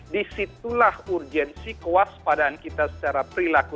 di situlah urgensi kuas padaan kita secara perilaku